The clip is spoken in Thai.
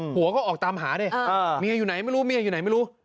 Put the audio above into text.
หวก็ออกตามหามีใครอยู่ไหนไม่รู้